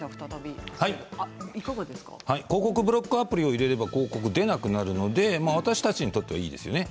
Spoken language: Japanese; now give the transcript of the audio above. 広告ブロックアプリを入れれば広告は出なくなりますので私たちにとってはいいですよね。